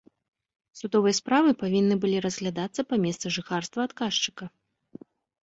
Судовыя справы павінны былі разглядацца па месцы жыхарства адказчыка.